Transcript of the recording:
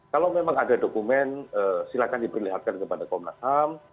kalau memang ada dokumen silakan diperlihatkan kepada komnas ham